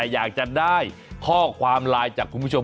อยากจะได้ข้อความไลน์จากคุณผู้ชม